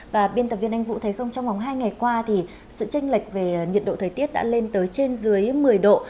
và biên tập viên anh vũ thấy không trong vòng hai ngày qua thì sự tranh lệch về nhiệt độ thời tiết đã lên tới trên dưới một mươi độ